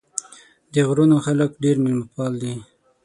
د غرونو خلک ډېر مېلمه پال دي.